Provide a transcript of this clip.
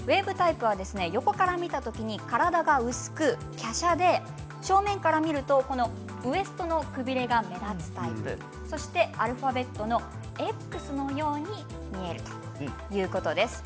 横から見た時に体が薄くきゃしゃで正面から見るとウエストのくびれが目立つタイプアルファベットのＸの形に見えるということです。